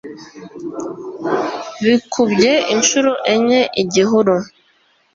bikubye inshuro enye igihuru